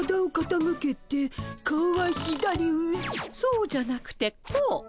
そうじゃなくてこう。